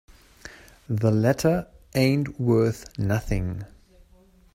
The letter ain't worth nothing.